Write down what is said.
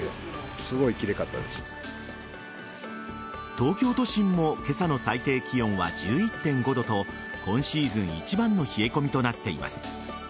東京都心も今朝の最低気温は１１．５度と今シーズン一番の冷え込みとなっています。